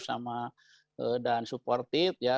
sama dan supportive ya